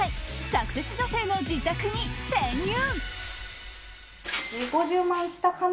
サクセス女性の自宅に潜入。